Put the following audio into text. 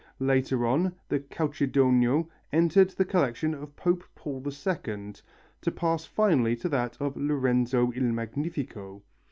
Later on the "calcedonio" entered the collection of Pope Paul II, to pass finally to that of Lorenzo il Magnifico.